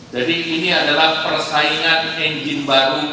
jadi ini adalah persaingan enjin baru di kita